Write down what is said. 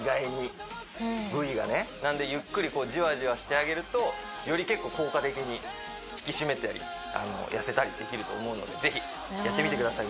なんでゆっくりじわじわしてあげるとより結構効果的に引き締めたり痩せたりできると思うのでぜひやってみてください